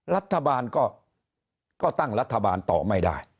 รัฐบาลก็ตั้งรัฐบาลต่อไม่ได้